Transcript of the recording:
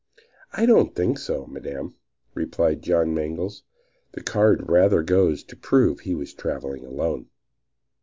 "I don't think so, madam," replied John Mangles. "That card rather goes to prove he was traveling alone."